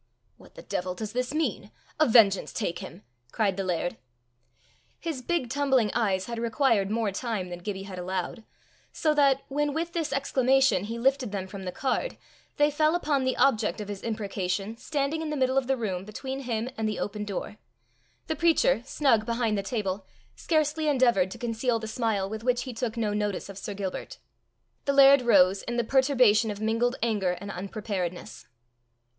"What the devil does this mean? A vengeance take him!" cried the laird. His big tumbling eyes had required more time than Gibbie had allowed, so that, when with this exclamation he lifted them from the card, they fell upon the object of his imprecation standing in the middle of the room between him and the open door. The preacher, snug behind the table, scarcely endeavoured to conceal the smile with which he took no notice of Sir Gilbert. The laird rose in the perturbation of mingled anger and unpreparedness.